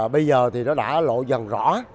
bây giờ thì nó đã lộ dần rõ